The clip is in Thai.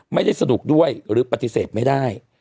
ไม่ได้สนุกด้วยหรือปฏิเสธไม่ได้